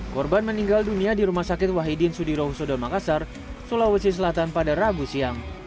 korban meninggal dunia di rumah sakit wahidin sudirohusodo makassar sulawesi selatan pada rabu siang